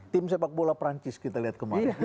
tim sepak bola prancis kita lihat kembali